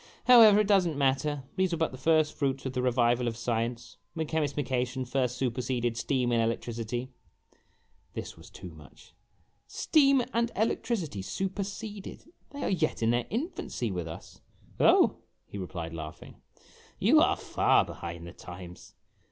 However, it does n't matter; these were but the first fruits of the revival of science when chemismication first superseded steam and electricity." "HE PRETENDED TO YAWN.' This was too much. "Steam and electricity superseded? They are yet in their infancy with us !" "Oh," he replied, laughing, "you are far behind the times.